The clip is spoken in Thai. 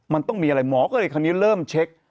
มันต้องมีอะไรหมอก็เลยคราวนี้เริ่มเช็ค